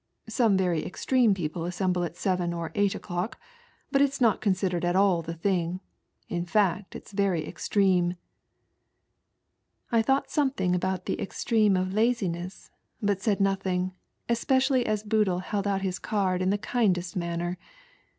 Some very extreme people assemble at seven or eight o'clock, but it's not considered at all the thing. In fact it's very extreme." I thooght something about the extreme of laziness, hut said nothing, especially as Boodle held out his card in the kindest manner.